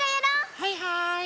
はいはい。